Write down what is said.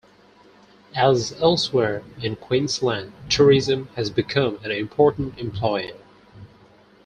As elsewhere in Queensland, tourism has become an important employer.